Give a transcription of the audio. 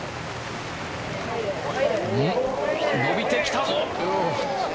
伸びてきた。